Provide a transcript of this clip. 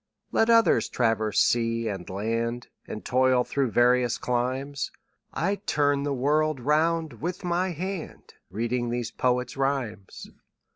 Let others traverse sea and land, And toil through various climes, 30 I turn the world round with my hand Reading these poets' rhymes.